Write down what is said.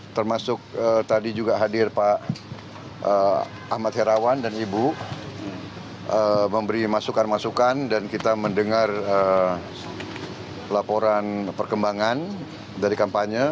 termasuk tadi juga hadir pak ahmad herawan dan ibu memberi masukan masukan dan kita mendengar laporan perkembangan dari kampanye